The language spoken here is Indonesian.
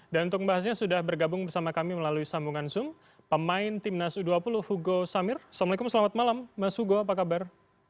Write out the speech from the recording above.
untuk membahasnya sudah bergabung bersama kami melalui sambungan zoom pemain timnas u dua puluh hugo samir assalamualaikum selamat malam mas hugo apa kabar